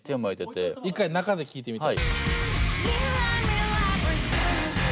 一回中で聞いてみたい。